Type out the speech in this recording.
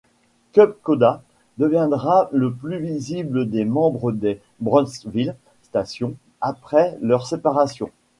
Cub Koda deviendra le plus visibles des membres des Brownsville Station après leur séparation.